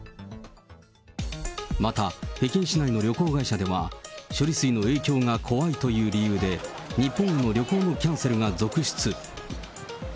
また北京市内の旅行会社では、処理水の影響が怖いという理由で、日本への旅行のキャンセルが続出。